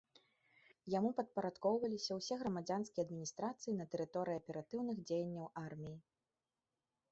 Яму падпарадкоўваліся ўсе грамадзянскія адміністрацыі на тэрыторыі аператыўных дзеянняў арміі.